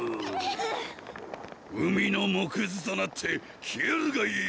海の藻屑となって消えるがいい！